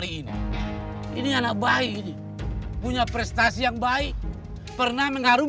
ini apa dipake gilang macam ini